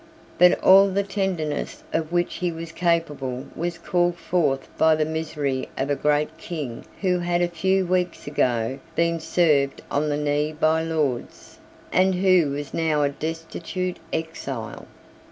But all the tenderness of which he was capable was called forth by the misery of a great King who had a few weeks ago been served on the knee by Lords, and who was now a destitute exile.